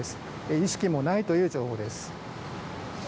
意識もないという情報です。